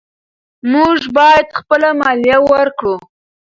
موږ باید خپله مالیه ورکړو.